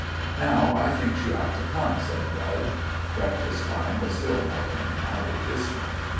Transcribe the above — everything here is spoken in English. "Now, I think she ought to come," said Budge. (Breakfast time was still more than an hour distant.)